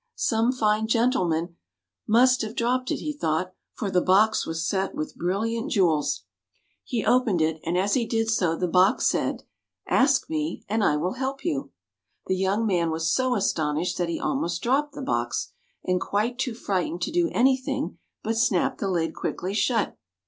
" Some fine gentleman must have dropped it," he thought, for the box was set with brilliant jewels. [ 140 ] THE MAGIC SNUFF BOX He opened it, and as he did so the box said, " Ask me, and I will help you." The young man was so astonished that he almost dropped the box, and quite too frightened to do anything but snap the lid quickly shut.